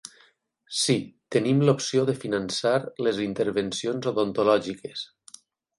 Sí, tenim l'opció de finançar les intervencions odontològiques.